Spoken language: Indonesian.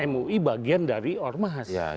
mui bagian dari ormas